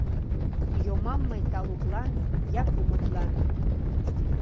Йомам мый талуклан я кумытлан